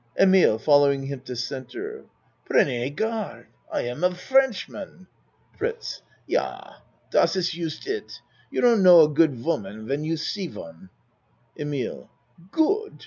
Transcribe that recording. EMILE (Following him to C.) Prenez garde ! I am a Frenchman! FRITZ Yah, dot iss yust it. You don't know a good woman when you see one. EMILE "Good!"